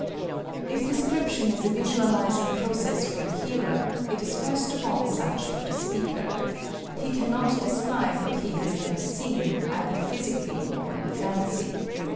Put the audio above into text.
If description is a visualizing process for the hearer, it is first of all such for the speaker he cannot describe what he has never seen, either physically or in fancy.